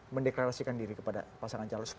mendeklarasikan diri kepada pasangan calon